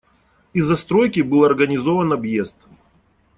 Из-за стройки был организован объезд.